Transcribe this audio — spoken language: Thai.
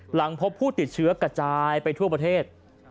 หลังพบผู้ติดเชื้อกระจายไปทั่วประเทศ